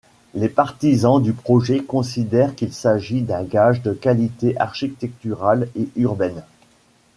Les partisans du projet considèrent qu'il s'agit d'un gage de qualité architecturale et urbaine.